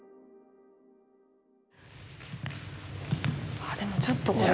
ああでもちょっとこれ。